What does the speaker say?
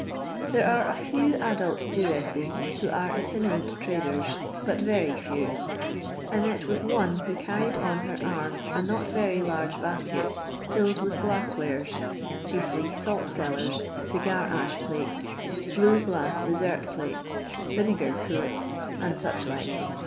There are a few adult Jeweaiei who are itinerant traders, but very few. I met with one who carried on her arm a not very large basket, filled with glass wares; chiefly sait cellars, cigar ash plutes, blue glass dessert pUtes, vinegar cruets, and such like.